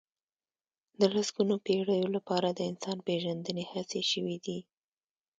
د لسګونو پېړيو لپاره د انسان پېژندنې هڅې شوي دي.